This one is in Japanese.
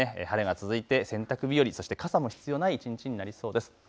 晴れが続いて洗濯日和、傘も必要ない一日になりそうです。